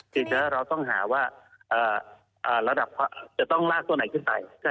จริงแล้วเราต้องหาราดับหลักตัวไหนขึ้นไป